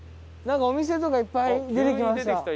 なんかお店とかいっぱい出てきました。